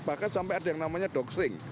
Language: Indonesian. bahkan sampai ada yang namanya doxing